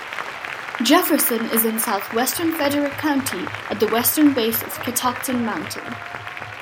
Jefferson is in southwestern Frederick County at the western base of Catoctin Mountain.